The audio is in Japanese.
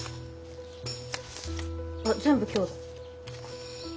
あっ全部今日だ。